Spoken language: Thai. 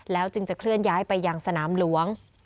จึงจะเคลื่อนย้ายไปยังสนามหลวง